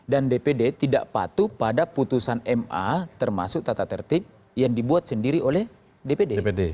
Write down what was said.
dan dpr tidak patuh pada putusan ma termasuk tata tertib yang dibuat sendiri oleh dpr